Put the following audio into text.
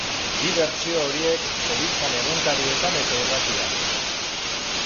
Bi bertsio horiek zebiltzan egunkarietan eta irratian.